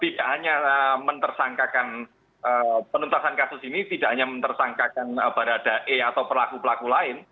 tidak hanya mentersangkakan penuntasan kasus ini tidak hanya mentersangkakan baradae atau pelaku pelaku lain